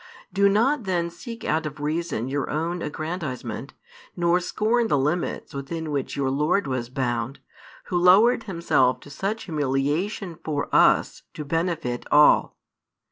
Do not, then, seek out of reason your own aggrandisement, nor scorn the limits within which your Lord was bound, Who lowered Himself to such humiliation for us to benefit all.